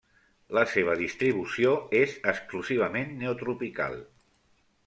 La seva distribució és exclusivament neotropical.